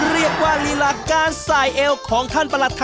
เรียกว่าลีลาการสายเอวของท่านประหลัดไทย